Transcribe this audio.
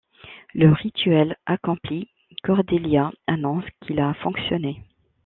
Le rituel accompli, Cordelia annonce qu'il a fonctionné.